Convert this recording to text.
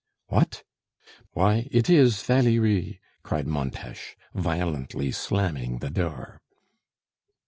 "What? Why! it is Valerie!" cried Montes, violently slamming the door.